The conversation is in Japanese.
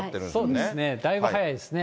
そうですね、だいぶ早いですね。